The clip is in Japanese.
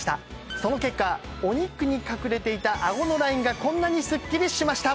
その結果お肉に隠れていたあごのラインがこんなにすっきりしました！